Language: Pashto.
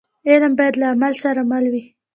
علم باید له عمل سره مل وي.